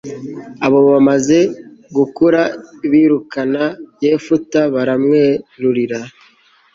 abo bamaze gukura birukana yefuta baramwerurira